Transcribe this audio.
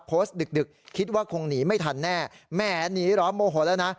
โพสต์ดึกดึกคิดว่าคงหนีไม่ทันแน่แม่หนีร้อโมโหดแล้วนะ